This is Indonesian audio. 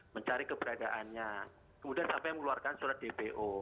mencari keberadaannya kemudian sampai mengeluarkan surat dpo